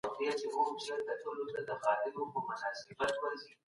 په تېرو وختونو کي عايد کم و.